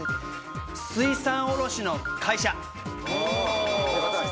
水産卸の会社。